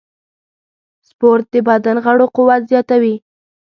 سپورت د بدن د غړو قوت زیاتوي.